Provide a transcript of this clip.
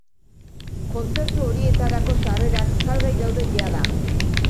Kontzertu horietarako sarrerak salgai daude jada.